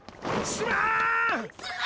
すまん！